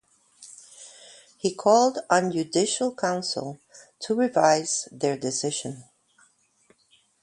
He called on the judicial council to revise their decision.